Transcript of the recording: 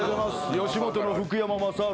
吉本の福山雅治